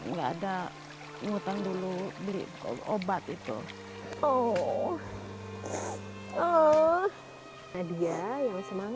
enggak ada ngutang dulu beli obat itu oh oh nadia yang semangat sekolahnya ya